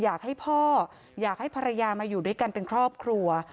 อยากให้พ่ออยากให้ภรรยามาอยู่ด้วยกันเป็นครอบครัว